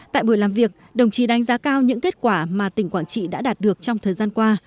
tại buổi làm việc đồng chí đánh giá cao những kết quả mà tỉnh quảng trị đã đạt được trong thời gian qua